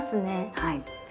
はい。